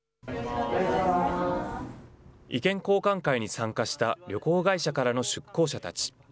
意見交換会に参加した旅行会社からの出向者たち。